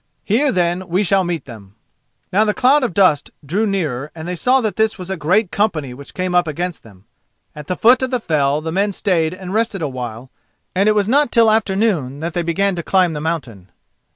Here, then, we will meet them." Now the cloud of dust drew nearer, and they saw that this was a great company which came up against them. At the foot of the fell the men stayed and rested a while, and it was not till afternoon that they began to climb the mountain.